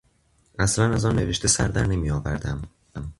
اصلا از آن نوشته سر در نمیآوردم.